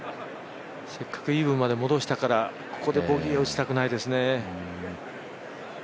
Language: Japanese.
せっかくイーブンまで戻したからここでボギーは打ちたくないですね。